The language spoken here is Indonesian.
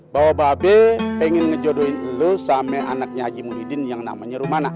bahwa bang robby pengen ngejodohin lo sama anaknya haji muhyiddin yang namanya rumana